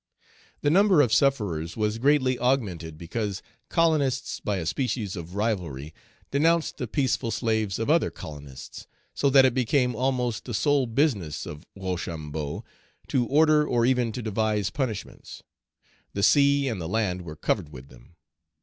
The number of sufferers was greatly augmented because colonists by a species of rivalry denounced the peaceful slaves of other colonists, so that it became almost the sole business of Rochambeau to order or even to devise punishments; the sea and the land were covered with them.